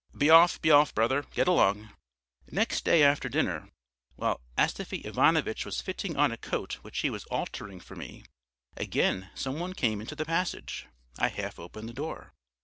"Be off, be off, brother, get along." Next day after dinner, while Astafy Ivanovitch was fitting on a coat which he was altering for me, again some one came into the passage. I half opened the door.